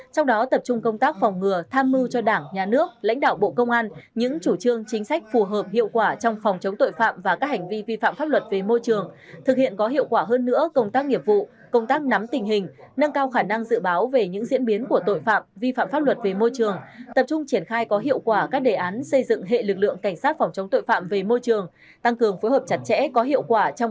trong đó tập trung công tác phòng ngừa tham mưu cho đảng nhà nước lãnh đạo bộ công an những chủ trương chính sách phù hợp hiệu quả trong phòng chống tội phạm và các hành vi vi phạm pháp luật về môi trường thực hiện có hiệu quả hơn nữa công tác nghiệp vụ công tác nắm tình hình nâng cao khả năng dự báo về những diễn biến của tội phạm vi phạm pháp luật về môi trường tập trung triển khai có hiệu quả các đề án xây dựng hệ lực lượng cảnh sát phòng chống tội phạm về môi trường tăng cường phối hợp chặt chẽ có hiệu quả trong